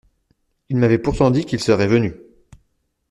Il m’avait pourtant dit qu’il serait venu.